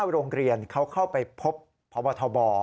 โรงเรียนเขาเข้าไปพบพบทบ